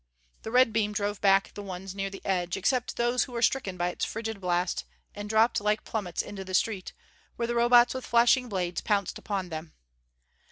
The red beam drove back the ones near the edge, except those who were stricken by its frigid blast and dropped like plummets into the street, where the Robots with flashing blades pounced upon them.